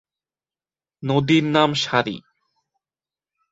নদীর নাম সারি।